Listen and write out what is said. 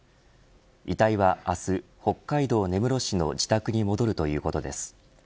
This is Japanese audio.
遺体は明日、北海道根室市の自宅に戻るということです。